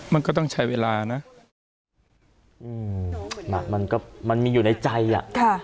มันก็ต้องใช้เวลานะอืมหนักมันก็มันมีอยู่ในใจอ่ะค่ะ